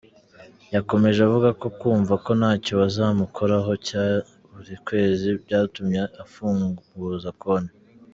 Yakomeje avuga ko kumva ko ntacyo bazamukuraho cya buri kwezi byatumye afunguza konti.